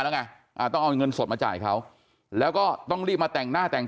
แล้วไงอ่าต้องเอาเงินสดมาจ่ายเขาแล้วก็ต้องรีบมาแต่งหน้าแต่ง